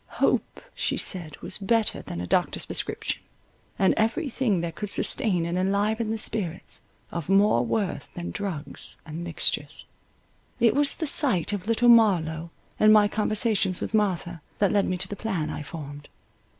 Hope, she said, was better than a doctor's prescription, and every thing that could sustain and enliven the spirits, of more worth than drugs and mixtures. It was the sight of Little Marlow, and my conversations with Martha, that led me to the plan I formed.